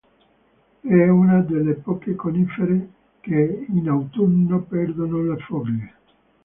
È una delle poche conifere che in autunno perdono le foglie.